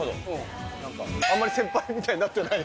なんかあんまり先輩みたいになってない。